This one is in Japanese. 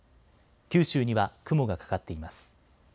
九州には雲がかかっています。